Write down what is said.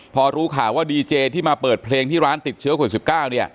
พอรู้ข่าวว่าดีเจที่มาเปิดเพลงที่ร้านติดเชื้อคน๑๙